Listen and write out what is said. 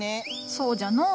そうじゃのう。